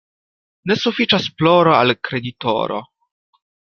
Ne sufiĉas ploro al kreditoro.